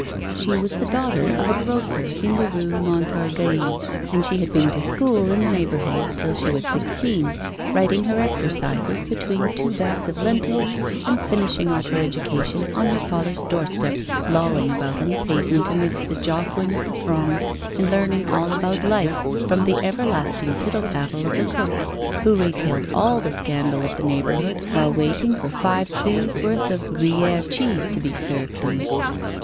She was the daughter of a grocer in the Rue Montorgueil, and had been to school in the neighbourhood till she was sixteen, writing her exercises between two bags of lentils, and finishing off her education on her father's doorstep, lolling about on the pavement, amidst the jostling of the throng, and learning all about life from the everlasting tittle tattle of the cooks, who retailed all the scandal of the neighbourhood while waiting for five sous' worth of Gruyère cheese to be served them.